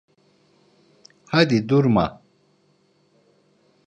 Hadi, durma…